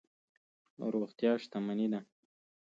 روغتیا شتمني ده.